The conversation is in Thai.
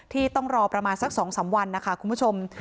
ที่ต้องรอประมาณสัก๒๓วันนะคะคุณผู้ชม